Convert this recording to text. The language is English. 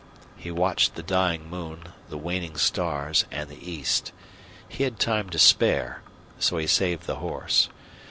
He watched the dying moon, the waning stars, and the east. He had time to spare, so he saved the horse.